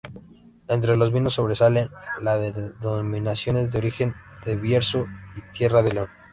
Entre los vinos sobresalen las denominaciones de origen de Bierzo y Tierra de León.